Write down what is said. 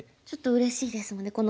ちょっとうれしいですもんね